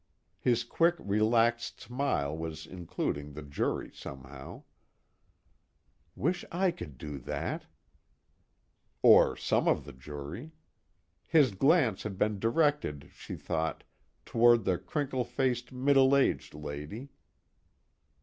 His quick relaxed smile was including the jury somehow. Wish I could do that. Or some of the jury: his glance had been directed, she thought, toward the crinkle faced middle aged lady.